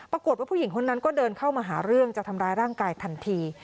ผู้หญิงคนนั้นก็เดินเข้ามาหาเรื่องจะทำร้ายร่างกายทันที